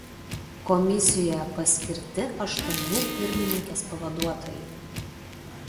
Komisijoje paskirti aštuoni pirmininkės pavaduotojai.